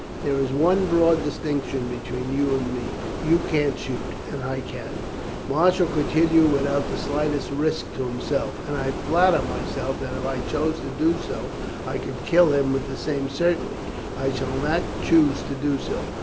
There is one broad distinction between you and me you can't shoot, and I can. Marshall could kill you without the slightest risk to himself, and I flatter myself that if I chose to do so, I could kill him with the same certainty. I shall not choose to do so.